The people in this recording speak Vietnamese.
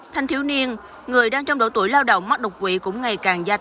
thanh thiếu niên người đang trong độ tuổi lao động mắc đột quỵ cũng ngày càng gia tăng